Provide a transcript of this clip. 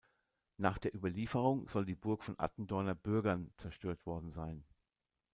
Nach der Überlieferung soll die Burg von Attendorner Bürgern zerstört worden sein.